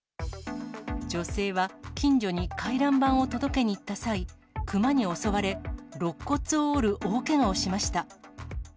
女性は近所に回覧板を届けに行った際、クマに襲われ、ろっ骨を折る大けがをしました。